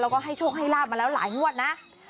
แล้วก็ให้โชคให้ลาบมาแล้วหลายงวดนะ